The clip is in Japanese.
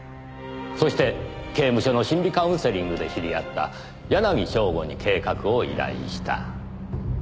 そして刑務所の心理カウンセリングで知り合った柳正吾に計画を依頼した。